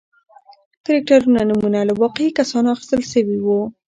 کرکټرونو نومونه له واقعي کسانو اخیستل شوي و.